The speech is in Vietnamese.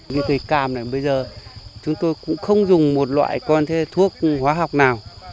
cái cam này bây giờ chúng tôi cũng không dùng một loại con thuốc hóa học nào